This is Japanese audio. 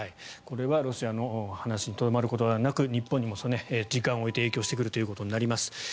これはロシアの話にとどまることではなく日本にも時間を置いて影響してくることになります。